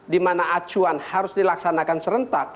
dimana acuan harus dilaksanakan serentak